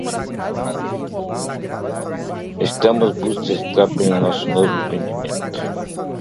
Estamos bootstrapping nosso novo empreendimento.